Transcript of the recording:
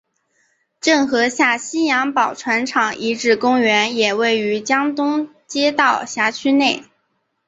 郑和下西洋宝船厂遗址公园也位于江东街道辖区内。